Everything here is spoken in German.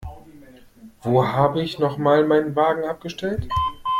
Wo habe ich noch mal meinen Wagen abgestellt?